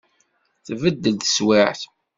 Tbeddel teswiɛt.